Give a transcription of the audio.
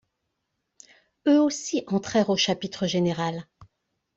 Eux aussi entrèrent au chapitre général.